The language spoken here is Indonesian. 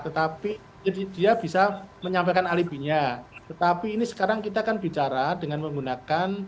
tetapi dia bisa menyampaikan alibinya tetapi ini sekarang kita akan bicara dengan menggunakan